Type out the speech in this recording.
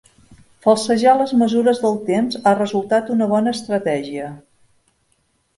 Falsejar les mesures del temps ha resultat una bona estratègia.